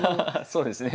そうですね。